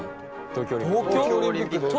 東京オリンピック。